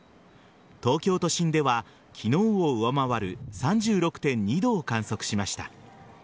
東京都心では昨日を上回る３６．２度を観測しました。